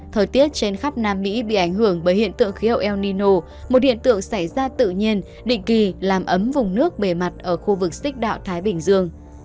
thời tiết trên khắp nam mỹ bị ảnh hưởng bởi hiện tượng khí hậu el nino một hiện tượng xảy ra tự nhiên định kỳ làm ấm vùng nước bề mặt ở khu vực xích đạo thái bình dương